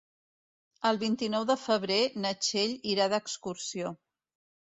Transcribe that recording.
El vint-i-nou de febrer na Txell irà d'excursió.